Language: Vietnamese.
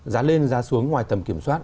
giá lên giá xuống ngoài tầm kiểm soát